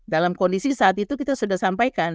dalam kondisi saat itu kita sudah sampaikan